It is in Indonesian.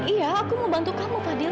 iya aku mau bantu kamu fadil